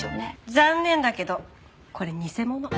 残念だけどこれ偽物。